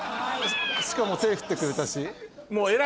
しかも手振ってくれたし。